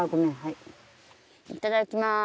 いただきまーす！